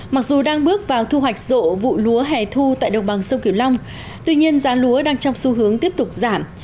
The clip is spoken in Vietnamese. mặc dù đang bước vào thu hoạch rộ vụ lúa hẻ thu tại đồng bằng sông kiểu long tuy nhiên giá lúa đang trong xu hướng tiếp tục giảm